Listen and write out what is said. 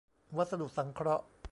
วัสดุสังเคราะห์